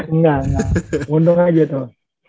enggak ngundang aja tuh